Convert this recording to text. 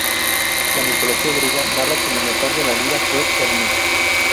La mitología griega narra que el inventor de la lira fue Hermes.